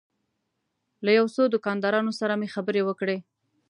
له یو څو دوکاندارانو سره مې خبرې وکړې.